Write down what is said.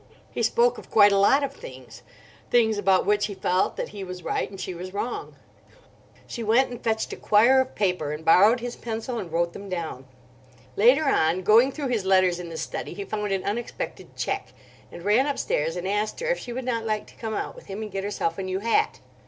He spoke of quite a lot of things—things about which he felt that he was right and she was wrong. She went and fetched a quire of paper, and borrowed his pencil and wrote them down. Later on, going through his letters in the study, he found an unexpected cheque; and ran upstairs and asked her if she would not like to come out with him and get herself a new hat.